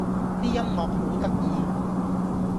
啲音樂好得意